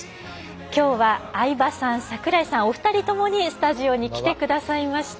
きょうは相葉さん櫻井さんお二人ともにスタジオに来てくださいました。